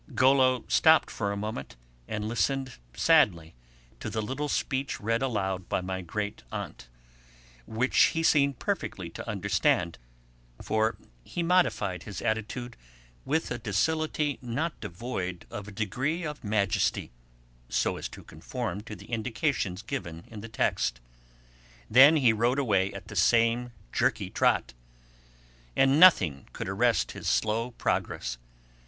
Golo stopped for a moment and listened sadly to the little speech read aloud by my great aunt, which he seemed perfectly to understand, for he modified his attitude with a docility not devoid of a degree of majesty, so as to conform to the indications given in the text; then he rode away at the same jerky trot. And nothing could arrest his slow progress.